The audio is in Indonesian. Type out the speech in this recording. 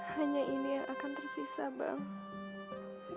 hanya ini yang akan tersisa bang